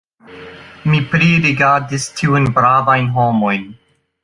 Mi pririgardis tiujn bravajn homojn.